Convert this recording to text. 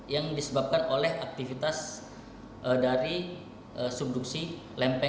yang disebabkan oleh aktivitas dari subduksi lempeng